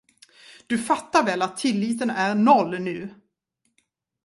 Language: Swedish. Du fattar väl att tilliten är noll nu?